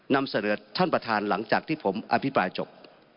นำเสนอท่านประธานหลังจากที่ผมอภิปรายจบ